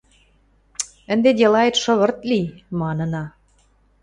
– Ӹнде делаэт шыгырт ли... – манына.